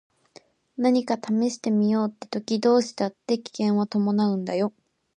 何かを試してみようって時どうしたって危険は伴うんだよ。